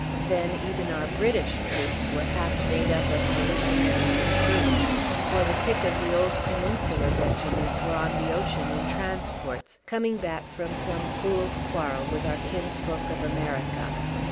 Then, even our British troops were half made up of militiamen and recruits; for the pick of the old Peninsular regiments were on the ocean in transports, coming back from some fool's quarrel with our kinsfolk of America.